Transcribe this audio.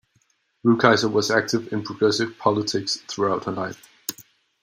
Rukeyser was active in progressive politics throughout her life.